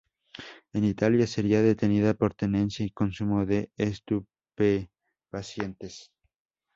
En Italia sería detenida por tenencia y consumo de estupefacientes.